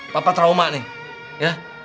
papa trauma nih ya